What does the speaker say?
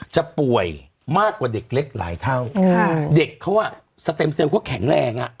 ป่วยมากกว่าเด็กเล็กหลายเท่าเด็กเขาอ่ะสเต็มเซลล์เขาแข็งแรงอ่ะ